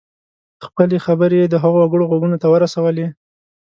خپلې خبرې یې د هغو وګړو غوږونو ته ورسولې.